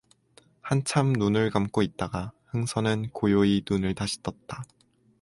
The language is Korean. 한참 눈을 감고 있다가 흥선은 고요히 눈을 다시 떴다.